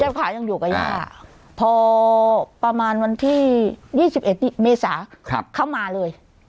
ขายังอยู่กับย่าพอประมาณวันที่๒๑เมษาเขามาเลย